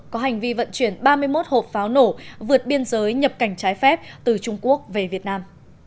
có hành vi vận chuyển ba mươi một hộp pháo nổ vượt biên giới nhập cảnh trái phép từ trung quốc về việt nam